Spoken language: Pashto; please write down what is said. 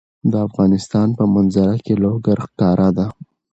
د افغانستان په منظره کې لوگر ښکاره ده.